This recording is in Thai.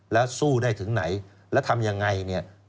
แล้วสู้ได้ถึงไหนแล้วทำยังไงเนี่ย